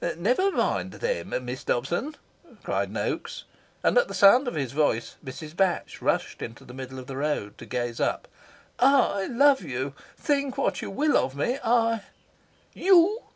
"Never mind them, Miss Dobson," cried Noaks, and at the sound of his voice Mrs. Batch rushed into the middle of the road, to gaze up. "I love you. Think what you will of me. I " "You!"